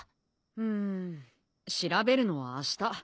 ん調べるのはあした。